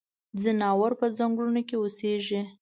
ځناور پۀ ځنګلونو کې اوسيږي.